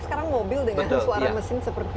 sekarang mobil dengan suara mesin seperti